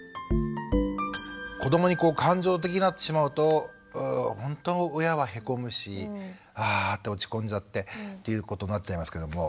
子どもに感情的になってしまうとほんと親はへこむしあって落ち込んじゃってっていうことになっちゃいますけども。